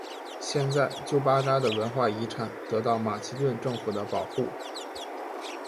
现在旧巴扎的文化遗产得到马其顿政府的保护。